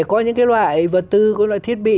có những cái loại vật tư có loại thiết bị